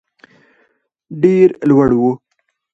ډېر لوړ وو.